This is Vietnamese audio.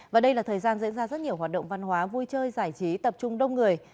và đây là thời gian diễn ra rất nhiều hoạt động văn hóa vui chơi giải trí tập trung đông người